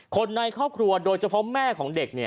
คนในครอบครัวโดยเฉพาะแม่ของเด็ก